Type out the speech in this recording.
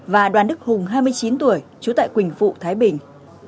và đoàn đức hùng hai mươi chín tuổi trú tại quỳnh phụ thái bình